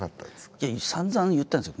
いやさんざん言ったんですよ。